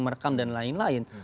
merekam dan lain lain